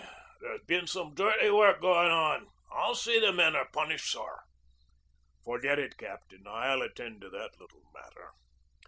"There's been some dirty work going on. I'll see the men are punished, sir." "Forget it, Captain. I'll attend to that little matter."